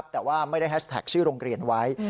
แต่ว่าไม่ได้แฮชแท็กชื่อโรงเรียนไว้